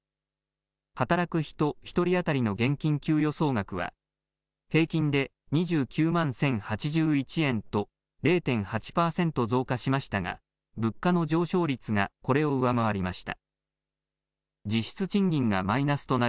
働く人１人当たりの現金給与総額は平均で２９万１０８１円と０．８％増加しましたが物価の上昇率がこれを上回りました。